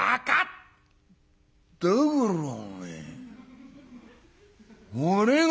だからお前俺が」。